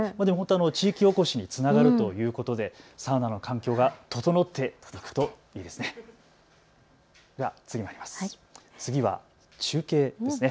地域おこしにつながるということでサウナの環境が整っていくといいですよね。